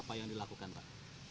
apa yang dilakukan pak